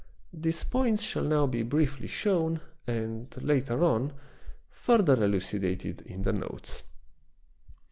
These points shall now be briefly shown, and, later on, further eluci dated in notes.